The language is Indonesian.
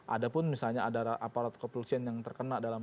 ada pun misalnya ada aparat kepolisian yang terkena dalam